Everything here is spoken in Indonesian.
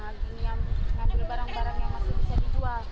nah gini yang ambil barang barang yang masih bisa dijual